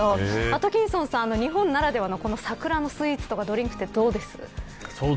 アトキンソンさん日本ならではの桜のスイーツやドリンクはどうですか。